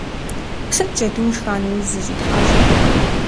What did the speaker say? Сыт джэдум шха нэужь зыщӀитхьэщӀыр?